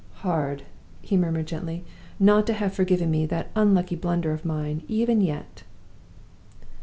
"Hard," he murmured, gently, "not to have forgiven me that unlucky blunder of mine, even yet!"